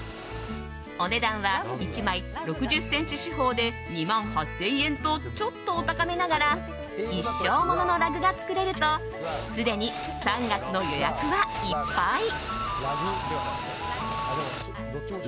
お値段は１枚６０ｃｍ四方で２万８０００円とちょっとお高めながら一生もののラグが作れるとすでに３月の予約はいっぱい。